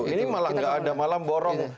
ini malah nggak ada malah borong